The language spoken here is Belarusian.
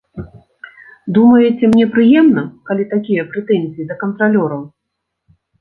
Думаеце, мне прыемна, калі такія прэтэнзіі да кантралёраў?